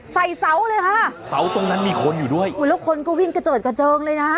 ใส่เสาเลยค่ะแล้วคนก็วิ่งเกริดเกริ่งเลยนะ